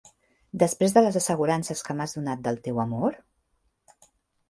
Després de les assegurances que m'has donat del teu amor?